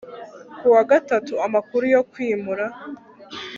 Ku wa gatatu amakuru yo kwimura